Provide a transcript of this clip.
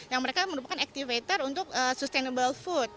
yang mereka merupakan activator untuk sustainable food